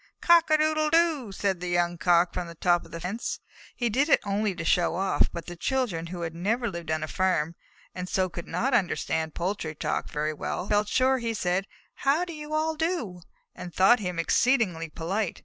"Cock a doodle doo!" said the young Cock from the top rail of the fence. He did it only to show off, but the children, who had never lived on a farm, and so could not understand poultry talk very well, felt sure that he said, "How do you all do?" and thought him exceedingly polite.